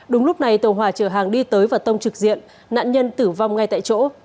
đúng lúc này tàu hòa chở hàng đi tới và tông trực diện nạn nhân tử vong ngay tại chỗ